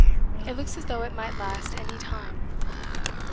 It looks as though it might last any time.